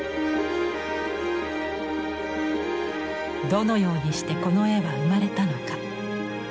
どのようにしてこの絵は生まれたのか。